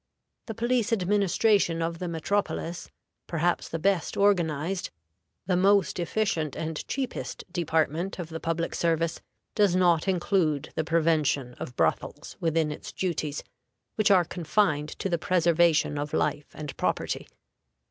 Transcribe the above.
The police administration of the metropolis, perhaps the best organized, the most efficient and cheapest department of the public service, does not include the prevention of brothels within its duties, which are confined to the preservation of life and property.